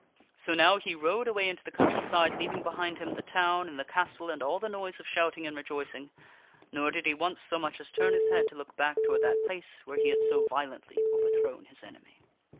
So now he rode away into the country side, leaving behind him the town and the castle and all the noise of shouting and rejoicing ; nor did he once so much as turn his head to look back toward that place where he had so violently overthrown his enemy.